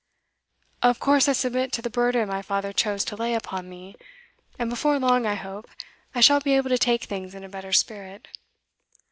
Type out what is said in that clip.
'Of course I submit to the burden my father chose to lay upon me, and before long, I hope, I shall be able to take things in a better spirit.